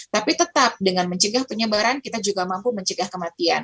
tapi tetap dengan mencegah penyebaran kita juga mampu mencegah kematian